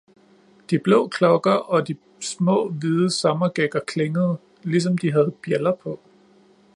De blå klokker og de små hvide sommergækker klingede, ligesom de havde bjælder på.